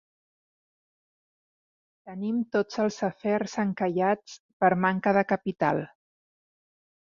Tenim tots els afers encallats per manca de capital.